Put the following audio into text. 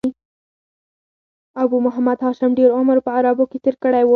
ابو محمد هاشم ډېر عمر په عربو کښي تېر کړی وو.